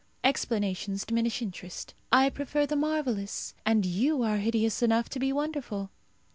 Explanations diminish interest. I prefer the marvellous, and you are hideous enough to be wonderful.